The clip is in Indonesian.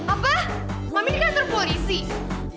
apa mami di kantor polisi